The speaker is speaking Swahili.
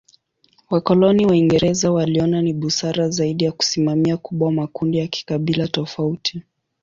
Wakoloni Waingereza waliona ni busara zaidi ya kusimamia kubwa makundi ya kikabila tofauti.